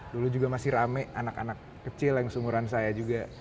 dulu juga masih rame anak anak kecil yang seumuran saya juga